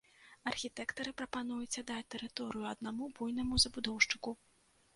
Архітэктары прапануюць аддаць тэрыторыю аднаму буйному забудоўшчыку.